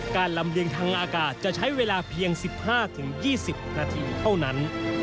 ลำเลียงทางอากาศจะใช้เวลาเพียง๑๕๒๐นาทีเท่านั้น